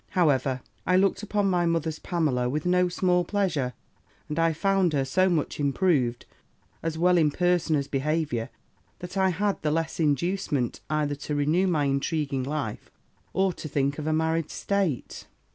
However, I looked upon my mother's Pamela with no small pleasure, and I found her so much improved, as well in person as behaviour, that I had the less inducement either to renew my intriguing life, or to think of a married state.